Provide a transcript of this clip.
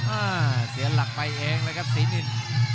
เออเสียงหลักไปเองนะครับศรีนิน